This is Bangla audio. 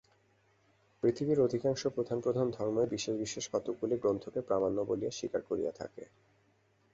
পৃথিবীর অধিকাংশ প্রধান প্রধান ধর্মই বিশেষ বিশেষ কতকগুলি গ্রন্থকে প্রামাণ্য বলিয়া স্বীকার করিয়া থাকে।